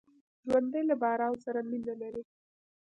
ژوندي له باران سره مینه لري